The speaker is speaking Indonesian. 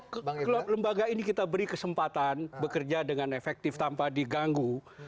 kalau lembaga ini kita beri kesempatan bekerja dengan efektif tanpa diganggu